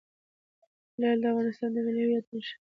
لعل د افغانستان د ملي هویت نښه ده.